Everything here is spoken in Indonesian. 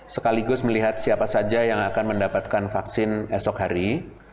sekaligus melihat siapa saja yang akan mendapatkan vaksin esok hari